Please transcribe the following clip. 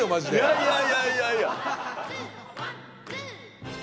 いやいやいやいやいや。